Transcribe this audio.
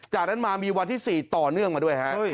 จากนั้นมามีวันที่๔ต่อเนื่องมาด้วยฮะ